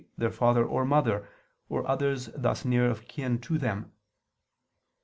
their father or mother, and others thus near of kin to them.